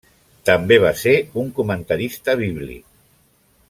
També va ser un comentarista bíblic.